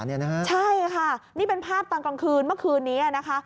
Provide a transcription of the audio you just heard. ใช่ค่ะนี่เป็นภาพตอนกลางคืนเมื่อคืนนี้นะคะ